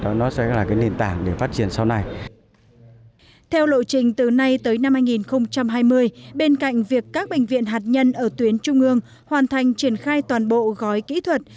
theo lộ trình từ nay tới năm hai nghìn hai mươi bên cạnh việc các bệnh viện hạt nhân ở tuyến trung ương hoàn thành triển khai toàn bộ gói kỹ thuật